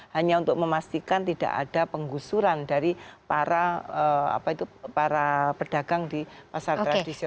hanya untuk memastikan tidak ada penggusuran dari para pedagang di pasar tradisional